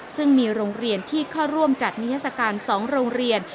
ซึ่งมีโรงเรียนที่เข้าร่วมจัดนิทัศกาล๒โรงเรียน